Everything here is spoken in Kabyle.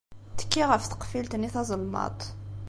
Tekki ɣef tqeffilt-nni tazelmaḍt!